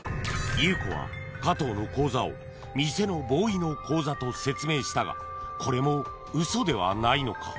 Ｕ子はカトウの口座を店のボーイの口座と説明したがこれもウソではないのか？